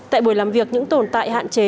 tại buổi làm việc những tồn tại hạn chế